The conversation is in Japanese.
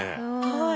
はい。